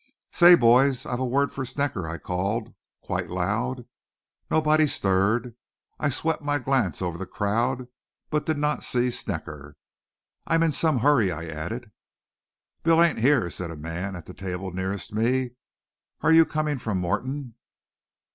"Say, boys, I've a word for Snecker," I called, quite loud. Nobody stirred. I swept my glance over the crowd, but did not see Snecker. "I'm in some hurry," I added. "Bill ain't here," said a man at the table nearest me. "Air you comin' from Morton?"